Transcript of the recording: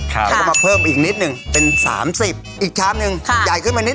แล้วก็มาเพิ่มอีกนิดหนึ่งเป็น๓๐อีกชามหนึ่งใหญ่ขึ้นมานิด